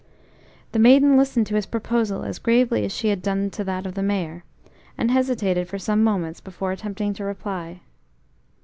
The maiden listened to his proposal as gravely as she had done to that of the Mayor, and hesitated for some moments before attempting to reply.